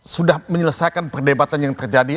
sudah menyelesaikan perdebatan yang terjadi